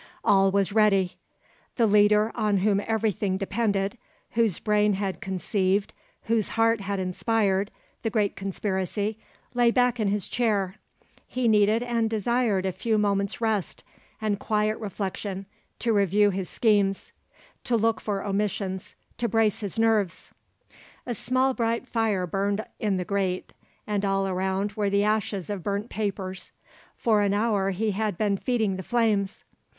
All was ready. The leader on whom everything depended, whose brain had conceived, whose heart had inspired, the great conspiracy, lay back in his chair. He needed and desired a few moments' rest and quiet reflection to review his schemes, to look for omissions, to brace his nerves. A small bright fire burned in the grate, and all around were the ashes of burnt papers. For an hour he had been feeding the flames.